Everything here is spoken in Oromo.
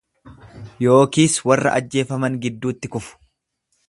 Yookiis warra ajjeefaman gidduutti kufu.